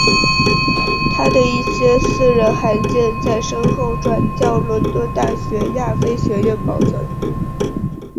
他的一些私人函件在身后转交伦敦大学亚非学院保存。